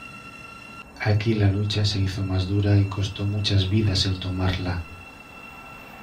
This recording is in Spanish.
Aquí la lucha se hizo más dura y costó muchas vidas el tomarla.